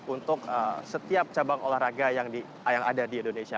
untuk setiap cabang olahraga yang ada di indonesia